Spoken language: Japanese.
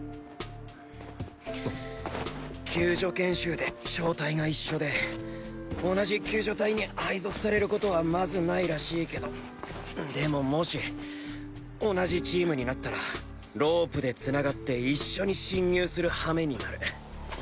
救助研修で小隊が一緒で同じ救助隊に配属されることはまず無いらしいけどでももし同じチームになったらロープで繋がって一緒に進入するハメになる。